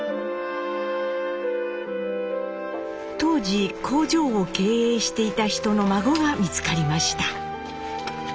当時工場を経営していた人の孫が見つかりました。